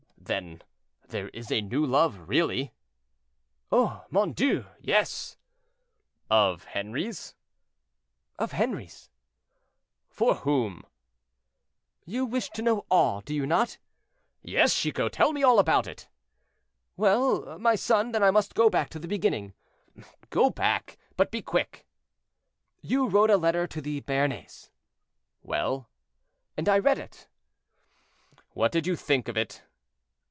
"Then there is a new love, really?" "Oh! mon Dieu! yes." "Of Henri's?" "Of Henri's." "For whom?" "You wish to know all, do you not?" "Yes, Chicot; tell me all about it." "Well, my son, then I must go back to the beginning." "Go back, but be quick." "You wrote a letter to the Béarnais?" "Well?" "And I read it." "What do you think of it?"